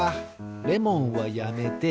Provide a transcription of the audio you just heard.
レモンはやめて。